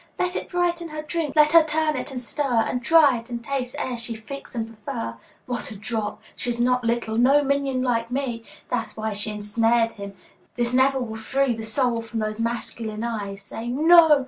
Let it brighten her drink, let her turn it and stir, And try it and taste, ere she fix and prefer! What a drop! She's not little, no minion like me! That's why she ensnared him: this never will free 30 The soul from those masculine eyes, say "No!"